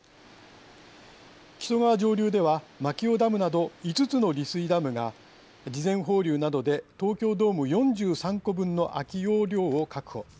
木曽川上流では牧尾ダムなど５つの利水ダムが事前放流などで東京ドーム４３個分の空き容量を確保。